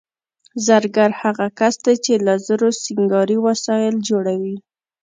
زرګر هغه کس دی چې له زرو سینګاري وسایل جوړوي